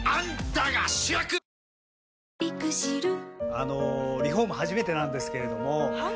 あのリフォーム初めてなんですけれどもはい。